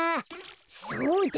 そうだ。